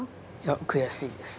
悔しいです。